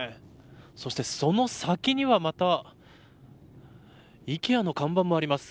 そしてその先にはまたＩＫＥＡの看板もあります。